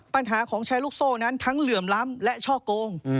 ปัญหาของแชร์ลูกโซ่นั้นทั้งเหลื่อมล้ำและช่อโกง